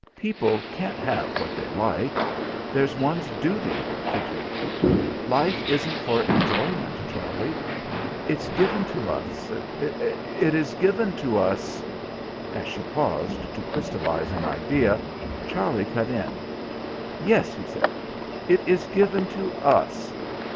"People can't have what they like. There's one's duty to do. Life isn't for enjoyment, Charlie. It's given to us ... it is given to us...." As she paused to crystallise an idea, Charlie cut in. "Yes," he said, "it is given to us....